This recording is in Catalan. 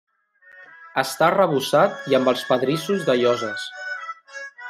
Està arrebossat i amb els pedrissos de lloses.